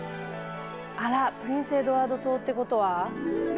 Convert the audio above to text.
あらプリンスエドワード島ってことは。